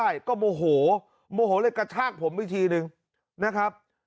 ได้ก็โมโหโมโหเลยกระชากผมอีกทีนึงนะครับ